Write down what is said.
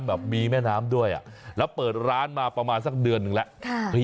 แบบมีแม่น้ำด้วยอ่ะแล้วเปิดร้านมาประมาณสักเดือนหนึ่งแล้ว